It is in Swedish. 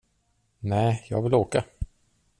Nej, jag vill åka.